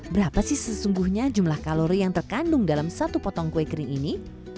berapa sih sesungguhnya jumlah kalori yang terkandung dalam satu potong kue kering ini